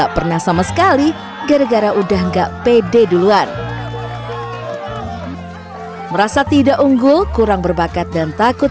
pernah sama sekali gara gara udah nggak pede duluan merasa tidak unggul kurang berbakat dan takut